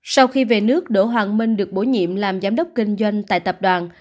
sau khi về nước đỗ hoàng minh được bổ nhiệm làm giám đốc kinh doanh tại tập đoàn